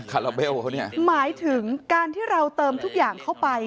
ลาเบลเขาเนี่ยหมายถึงการที่เราเติมทุกอย่างเข้าไป